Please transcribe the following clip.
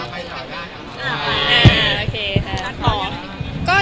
มีไฟกล้อง